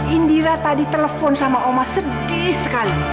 indira tadi telepon sama oma sedih sekali